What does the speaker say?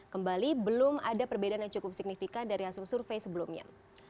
kembali belum ada perbedaan yang cukup signifikan dari hasil survei sebelumnya